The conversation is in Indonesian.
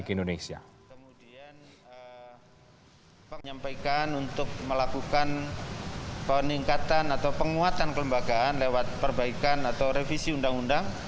kemudian menyampaikan untuk melakukan peningkatan atau penguatan kelembagaan lewat perbaikan atau revisi undang undang